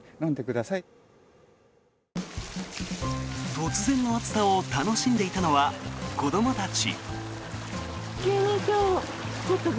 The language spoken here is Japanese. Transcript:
突然の暑さを楽しんでいたのは子どもたち。